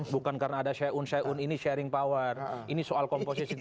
bukan karena ada syai'un syai'un ini sharing power ini soal komposisi